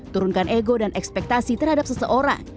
turunkan ego dan ekspektasi terhadap seseorang